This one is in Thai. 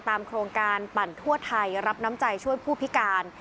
โครงการปั่นทั่วไทยรับน้ำใจช่วยผู้พิการ